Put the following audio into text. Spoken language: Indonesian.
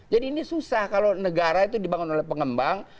jadi ini susah kalau negara itu dibangun oleh pengembang